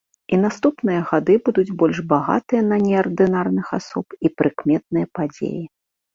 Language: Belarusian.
І наступныя гады будуць больш багатыя на неардынарных асоб і прыкметныя падзеі.